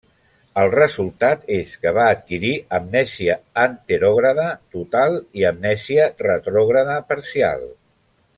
El resultat és que va adquirir amnèsia anterògrada total i amnèsia retrògrada parcial.